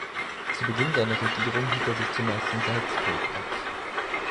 Zu Beginn seiner Regierung hielt er sich zumeist in Salzburg auf.